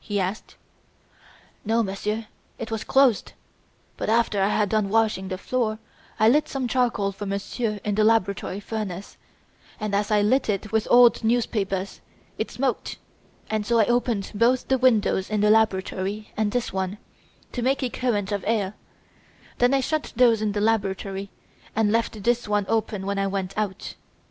he asked. "No, Monsieur, it was closed; but after I had done washing the floor, I lit some charcoal for Monsieur in the laboratory furnace, and, as I lit it with old newspapers, it smoked, so I opened both the windows in the laboratory and this one, to make a current of air; then I shut those in the laboratory and left this one open when I went out.